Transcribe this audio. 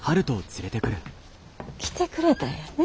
来てくれたんやね。